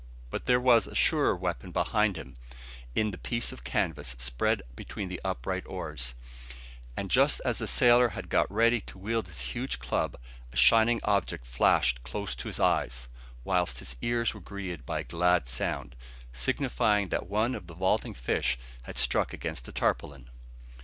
But there was a surer weapon behind him, in the piece of canvas spread between the upright oars; and just as the sailor had got ready to wield his huge club, a shining object flashed close to his eyes, whilst his ears were greeted by a glad sound, signifying that one of the vaulting fish had struck against the tarpaulin.